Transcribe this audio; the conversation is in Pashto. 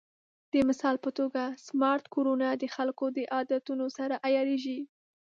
د مثال په توګه، سمارټ کورونه د خلکو د عادتونو سره عیارېږي.